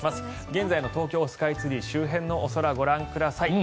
現在の東京スカイツリー周辺のお空、ご覧ください。